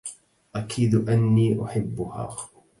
أكيد أنّي أحبّها.